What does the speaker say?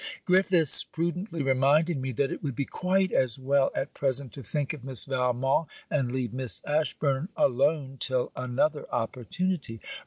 Griffiths prudently reminded me that it would be quite as well at present to think of Miss Valmont, and leave Miss Ashburn alone till another opportunity.